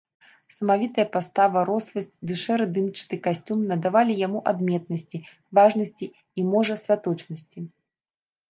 Самавітая пастава, росласць ды шэра-дымчаты касцюм надавалі яму адметнасці, важнасці і, можа, святочнасці.